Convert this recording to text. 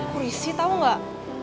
kurisi tau gak